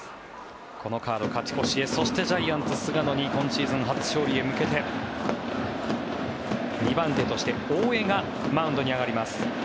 このカード勝ち越しへそしてジャイアンツは、菅野に今シーズン初勝利へ向けて２番手として大江がマウンドに上がります。